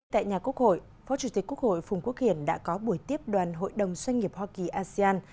tại nhà quốc hội phó chủ tịch quốc hội phùng quốc hiển đã có buổi tiếp đoàn hội đồng doanh nghiệp hoa kỳ asean